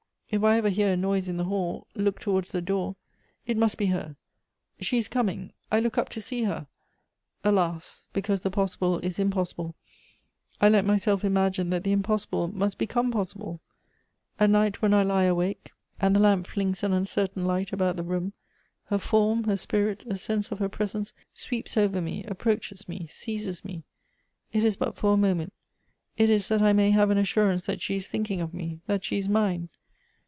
If I ever hear a noise in the hall, look towards the doOr. It must be her — she is comin< — I look up to sec her. Alas ! because the possible is im possible, I let myself imagine that the impossible must be come possible. At night, when I lie awake, and the lam] 7 146 Goethe's flings an uncertain light abont the room, her fonn, her spirit, a sense of her presence, sweeps over tne, approaches me, seizes me. It is but for a moment ; it is that I may have an assurance that she is thinking of me, that she is mine.